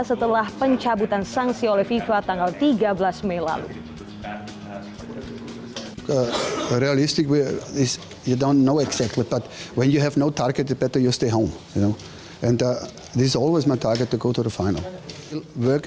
setelah pencabutan sanksi oleh fifa tanggal tiga belas mei lalu